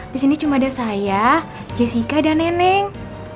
di sini cuma ada saya jessica dan neneng